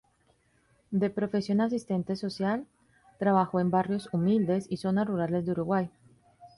De profesión asistente social, trabajó en barrios humildes y zonas rurales de Uruguay.